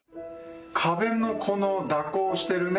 壁のこの蛇行してるね